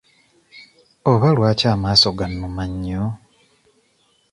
Oba lwaki amaaso gannuma nnyo?